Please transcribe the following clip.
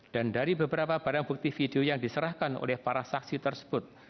dan dari beberapa barang bukti video yang diserahkan oleh para saksi tersebut